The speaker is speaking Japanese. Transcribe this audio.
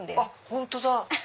本当だ！